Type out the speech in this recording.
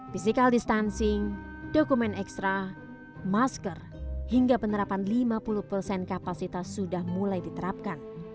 physical distancing dokumen ekstra masker hingga penerapan lima puluh persen kapasitas sudah mulai diterapkan